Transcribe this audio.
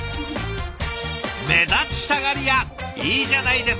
目立ちたがり屋いいじゃないですか！